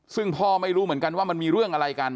ซึ่งพ่อไม่รู้เหมือนกันว่ามันมีเรื่องอะไรกัน